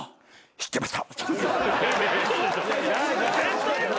知ってました。